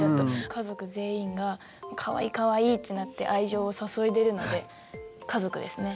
家族全員がかわいいかわいいってなって愛情を注いでいるので家族ですね。